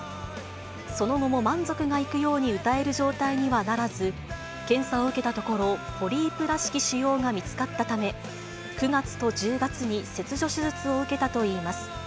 その後も満足がいくように歌える状態にはならず、検査を受けたところ、ポリープらしき腫瘍が見つかったため、９月と１０月に切除手術を受けたといいます。